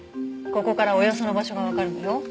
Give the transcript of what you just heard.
ここからおよその場所がわかるのよ。